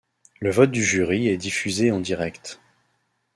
Le vote du jury est diffusé en direct.